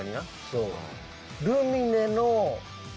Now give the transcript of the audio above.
そう。